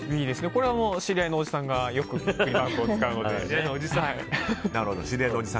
これは知り合いのおじさんがよくビックリマーク使うので。